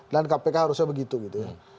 dan kpk harusnya begitu gitu ya